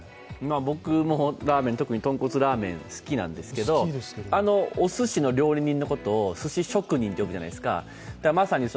僕もラーメン、特にとんこつラーメン好きなんですけど、おすしの料理人のことをすし職人というじゃないですか。